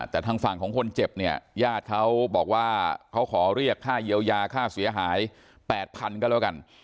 แต่ทางฝั่งของคนเจ็บเนี่ยญาติเขาบอกว่าเขาขอเรียกค่าเยียวยาค่าเสียหาย๘๐๐๐ก็แล้วกัน